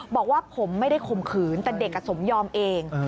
บอกว่าผมไม่ได้ข่มขืนแต่เด็กสมยอมเอง